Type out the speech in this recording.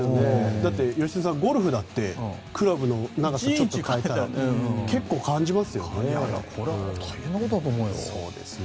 だって、良純さん、ゴルフだってクラブの長さを変えたらこれは大変なことだと思うよ。